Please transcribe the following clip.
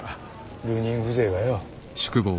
流人風情がよう。